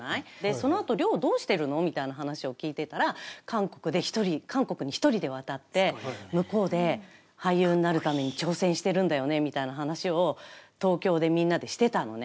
そのあと、亮どうしてるの？みたいな話を聞いてたら、韓国で１人、韓国に１人で渡って、向こうで俳優になるために挑戦してるんだよねみたいな話を、東京でみんなでしてたのね。